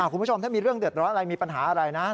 คุณผู้ชมถ้ามีเรื่องเดือดร้อนอะไรมีปัญหาอะไรนะ